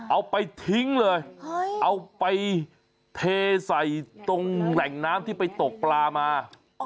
เอาไปทิ้งเลยเอาไปเทใส่ตรงแหล่งน้ำที่ไปตกปลามา